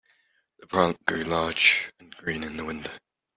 The plant grew large and green in the window.